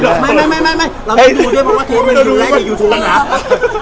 เราไม่ดูด้วยเพราะว่าเทปเป็นที่แรกในยูทูป